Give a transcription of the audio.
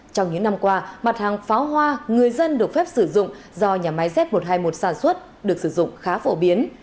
trong những năm qua mặt hàng pháo hoa người dân được phép sử dụng do nhà máy z một trăm hai mươi một sản xuất được sử dụng khá phổ biến